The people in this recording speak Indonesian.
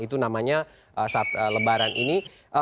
itu namanya saat lebaran ini